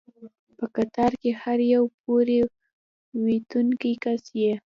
په قطار کې هر یو پورې ووتونکی کس یې.